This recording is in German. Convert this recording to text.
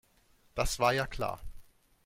Das war ja klar.